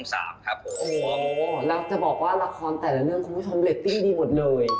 โอ้โหแล้วจะบอกว่าละครแต่ละเรื่องคุณผู้ชมเรตติ้งดีหมดเลย